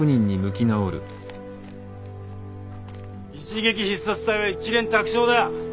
一撃必殺隊は一蓮托生だ。